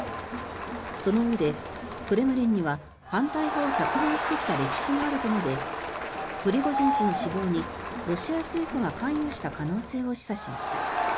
そのうえで、クレムリンには反対派を殺害してきた歴史があると述べプリゴジン氏の死亡にロシア政府が関与した可能性を示唆しました。